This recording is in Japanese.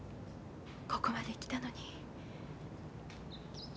ここまで来たのに。